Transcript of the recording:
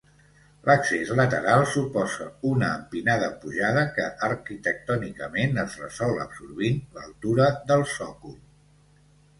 L'accés lateral suposa una empinada pujada, que arquitectònicament es resol absorbint l'altura del sòcol.